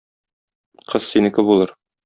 Кыз синеке булыр